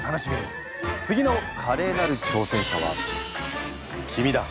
次のカレーなる挑戦者は君だ！